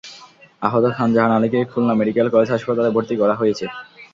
আহত খান জাহান আলীকে Khulna medical college হাসপাতালে ভর্তি করা হয়েছে।